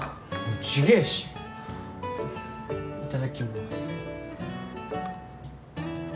違えしいただきます